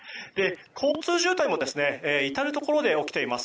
交通渋滞も至るところで起きています。